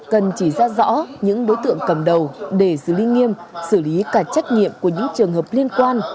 cần chỉ ra rõ những đối tượng cầm đầu để xử lý nghiêm xử lý cả trách nhiệm của những trường hợp liên quan